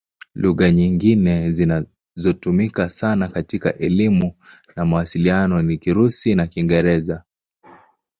Lugha nyingine zinazotumika sana katika elimu na mawasiliano ni Kirusi na Kiingereza.